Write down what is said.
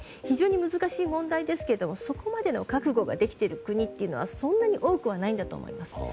非常に難しい問題ですがそこまでの覚悟ができている国はそんなに多くはないと思います。